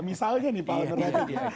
misalnya nih pak onur raufik ya